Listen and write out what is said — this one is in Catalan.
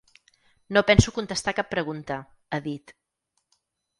No penso contestar cap pregunta, ha dit.